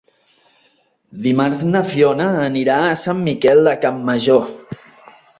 Dimarts na Fiona anirà a Sant Miquel de Campmajor.